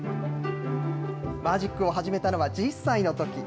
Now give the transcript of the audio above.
マジックを始めたのは１０歳のとき。